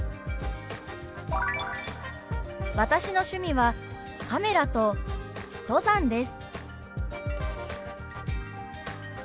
「私の趣味はカメラと登山です」。